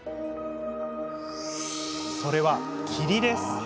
それは霧です。